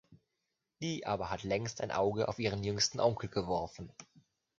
Die aber hat längst ein Auge auf ihren jüngsten Onkel geworfen.